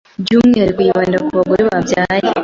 by’umwihariko byibanda ku bagore babyaye